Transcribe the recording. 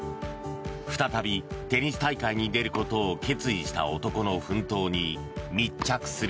再びテニス大会に出ることを決意した男の奮闘に密着する。